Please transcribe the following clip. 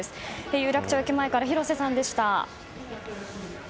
有楽町駅前から広瀬さんでした。